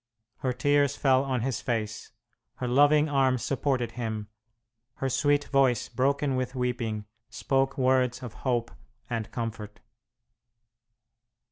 Her tears fell on his face, her loving arms supported him; her sweet voice, broken with weeping, spoke words of hope and comfort.